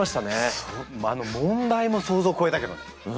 もうあの問題も想像を超えたけどね。